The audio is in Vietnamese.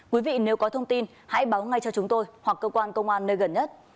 quý vị nếu có thông tin hãy báo ngay cho chúng tôi hoặc cơ quan công an nơi gần nhất